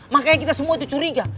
makanya kita semua itu curiga